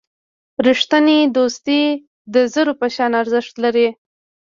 رښتینی دوستي د زرو په شان ارزښت لري.